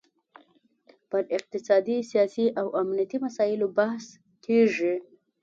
پر اقتصادي، سیاسي او امنیتي مسایلو بحث کیږي